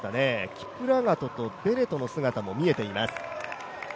キプラガトとベレトの姿も見えています。